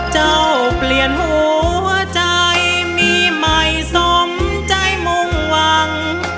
เจ้าเปลี่ยนหัวใจมีไม่สมใจมุงวัง